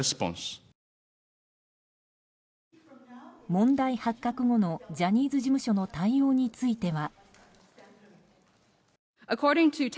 問題発覚後のジャニーズ事務所の対応については。